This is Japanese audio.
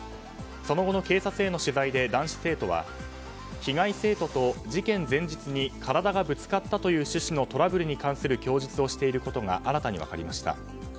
その後の警察への取材で男子生徒は被害生徒と事件前日に体がぶつかったという趣旨のトラブルに関する供述をしていることが新たに分かりました。